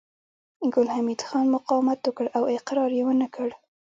ګل حمید خان مقاومت وکړ او اقرار يې ونه کړ